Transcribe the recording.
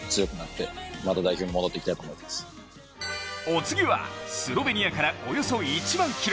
お次はスロベニアからおよそ１万ｋｍ。